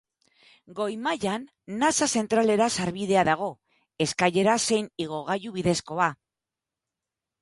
Goi-mailan nasa zentralera sarbidea dago, eskailera zein igogailu bidezkoa.